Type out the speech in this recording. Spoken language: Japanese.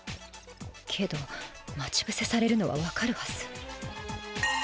けど待ちぶせされるのは分かるはず。